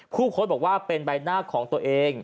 ผู้โพสต์บอกว่าเป็นใบหน้าของตัวเอง